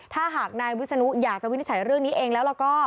ถ้าหากนายวิศนุอยากจะวินิจฉัยเรื่องนี้เองแล้วก็